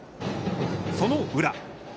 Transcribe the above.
その裏。